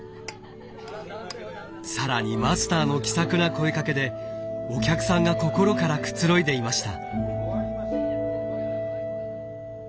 更にマスターの気さくな声かけでお客さんが心からくつろいでいました。